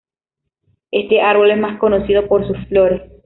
Este árbol es más conocido por su flores.